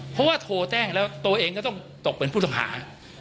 เพราะว่าโทรแจ้งแล้วตัวเองก็ต้องตกเป็นผู้ต้องหา